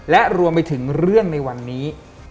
และรวมไปถึงเรื่องในวันนี้